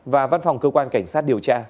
và văn phòng cơ quan cảnh sát điều tra